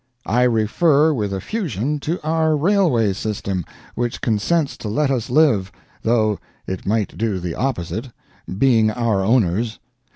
I refer with effusion to our railway system, which consents to let us live, though it might do the opposite, being our owners.